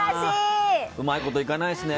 うまいこといかないっすね。